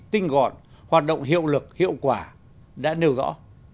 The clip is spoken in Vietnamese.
tinh gọn hoạt động hiệu lực hiệu quả đã nêu rõ